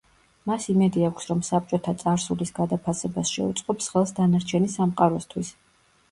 მას იმედი აქვს, რომ საბჭოთა წარსულის გადაფასებას შეუწყობს ხელს დანარჩენი სამყაროსთვის.